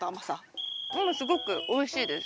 うんすごくおいしいです。